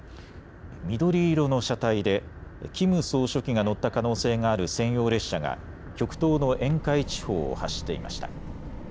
緑色の車体でキム総書記が乗った可能性がある専用列車が極東の沿海地方を走っていました。